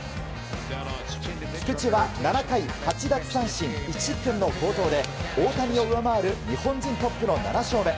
菊池は７回８奪三振１失点の好投で、大谷を上回る日本人トップの７勝目。